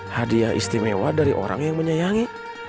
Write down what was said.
hadiah istimewa dari orang yang menyayangi